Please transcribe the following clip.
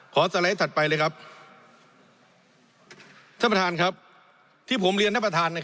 สไลด์ถัดไปเลยครับท่านประธานครับที่ผมเรียนท่านประธานใน